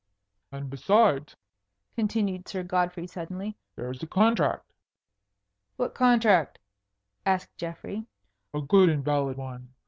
"And besides," continued Sir Godfrey suddenly, "there is a contract." "What contract?" asked Geoffrey. "A good and valid one.